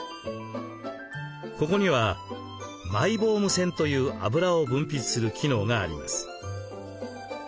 ここにはマイボーム腺という脂を分泌する機能があります。